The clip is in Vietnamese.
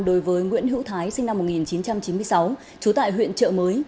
đối với nguyễn hữu thái sinh năm một nghìn chín trăm chín mươi sáu trú tại huyện trợ mới